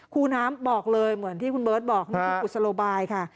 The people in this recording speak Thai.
ครูน้ำบอกเลยเหมือนที่คุณเบิร์ตบอกนี่คือกุศโลบายค่ะ